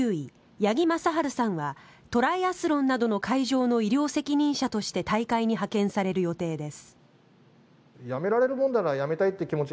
八木正晴さんはトライアスロンなどの会場の医療責任者として大会に派遣される予定です。